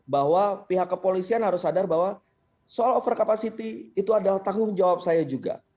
bahwa pihak kepolisian harus sadar bahwa soal over capacity itu adalah tanggung jawab saya juga